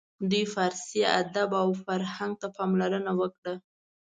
دوی فارسي ادب او فرهنګ ته پاملرنه وکړه.